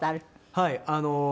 はい。